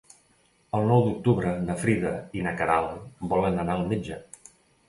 El nou d'octubre na Frida i na Queralt volen anar al metge.